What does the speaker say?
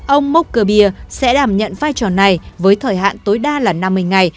ông mokherbia sẽ đảm nhận vai trò này với thời hạn tối đa là năm mươi ngày